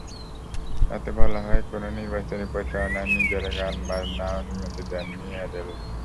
তাতে বলা হয়, কোনো নির্বাচনী প্রচারণায় নিজের গান বাজানোর অনুমতি দেননি অ্যাডেল।